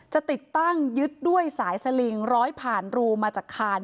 ติดตั้งยึดด้วยสายสลิงร้อยผ่านรูมาจากคาน